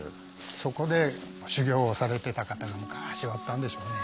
そこで修行をされてた方が昔はいたんでしょうね。